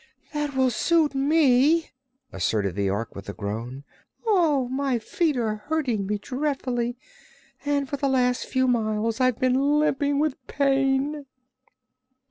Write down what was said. "That will suit me," asserted the Ork, with a groan. "My feet are hurting me dreadfully and for the last few miles I've been limping with pain."